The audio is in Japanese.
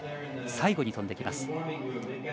最後に飛んできます。